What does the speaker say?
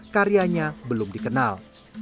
karyanya belum dikenal